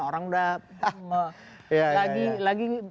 orang udah lagi